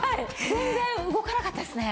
全然動かなかったですね。